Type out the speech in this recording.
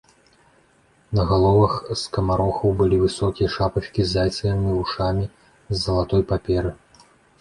На галовах скамарохаў былі высокія шапачкі з зайцавымі вушамі з залатой паперы.